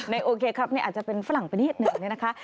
นายโอเคครับเนี่ยอาจจะเป็นฝรั่งไปนี่เหนือนี่นะคะ